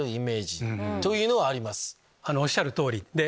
おっしゃる通りで。